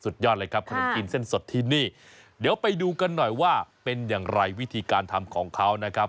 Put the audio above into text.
ยอดเลยครับขนมจีนเส้นสดที่นี่เดี๋ยวไปดูกันหน่อยว่าเป็นอย่างไรวิธีการทำของเขานะครับ